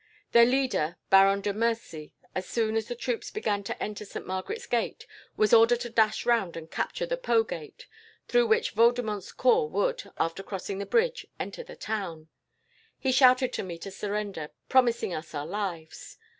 "Their leader, Baron de Mercy, as soon as the troops began to enter Saint Margaret's gate, was ordered to dash round and capture the Po gate, through which Vaudemont's corps would, after crossing the bridge, enter the town. He shouted to me to surrender, promising us our lives.